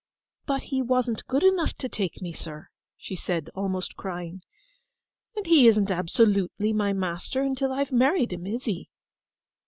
'But he wasn't good enough to take me, sir!' she said, almost crying; 'and he isn't absolutely my master until I have married him, is he?